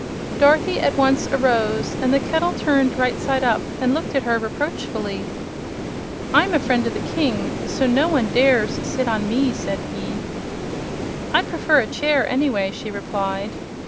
Dorothy at once arose, and the kettle turned right side up and looked at her reproachfully. "I'm a friend of the King, so no one dares sit on me," said he. "I'd prefer a chair, anyway," she replied.